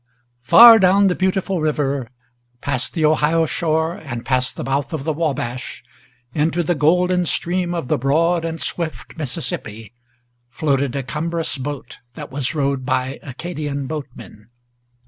Far down the Beautiful River, Past the Ohio shore and past the mouth of the Wabash, Into the golden stream of the broad and swift Mississippi, Floated a cumbrous boat, that was rowed by Acadian boatmen.